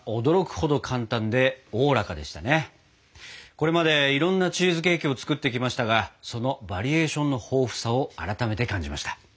これまでいろんなチーズケーキを作ってきましたがそのバリエーションの豊富さを改めて感じました。